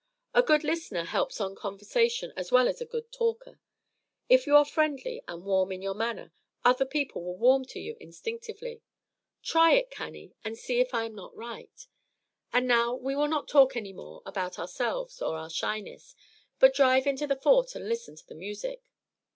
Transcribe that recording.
A good listener helps on conversation as well as a good talker. If you are friendly and warm in your manner, other people will warm to you instinctively. Try it, Cannie, and see if I am not right. And now we will not talk any more about ourselves or our shyness, but drive into the Fort and listen to the music.